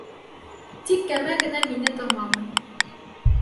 Тик кәмә генә мине тыңламай.